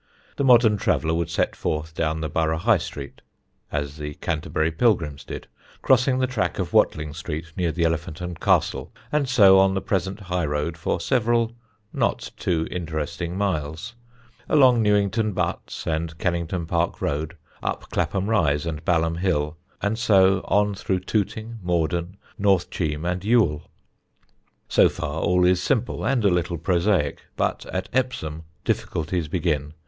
The modern traveller would set forth down the Borough High Street (as the Canterbury Pilgrims did), crossing the track of Watling Street near the Elephant and Castle, and so on the present high road for several not too interesting miles; along Newington Butts, and Kennington Park Road, up Clapham Rise and Balham Hill, and so on through Tooting, Morden, North Cheam, and Ewell. So far all is simple and a little prosaic, but at Epsom difficulties begin.